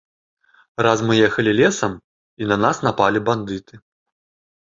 Раз мы ехалі лесам, і на нас напалі бандыты.